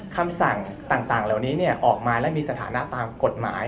คำสั่งต่างแล้วนี้เนี่ยออกมาแล้วมีสถานะตามกฎหมาย